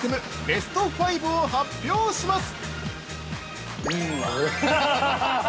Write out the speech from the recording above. ベスト５を発表します！